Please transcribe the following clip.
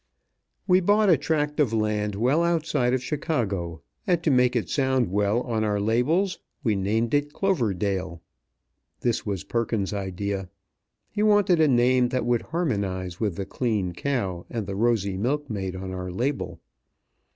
We bought a tract of land well outside of Chicago, and, to make it sound well on our labels, we named it Cloverdale. This was Perkins's idea. He wanted a name that would harmonize with the clean cow and the rosy milkmaid on our label.